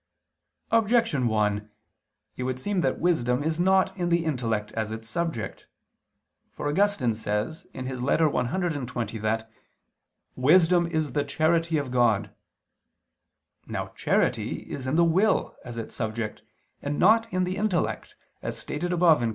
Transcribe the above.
Objection 1: It would seem that wisdom is not in the intellect as its subject. For Augustine says (Ep. cxx) that "wisdom is the charity of God." Now charity is in the will as its subject, and not in the intellect, as stated above (Q.